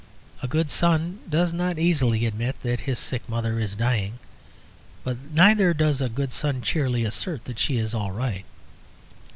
A good son does not easily admit that his sick mother is dying; but neither does a good son cheerily assert that she is "all right."